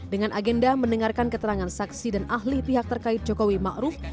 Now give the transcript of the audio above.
dengan agenda mendengarkan keterangan saksi dan ahli pihak terkait jokowi ma'ruf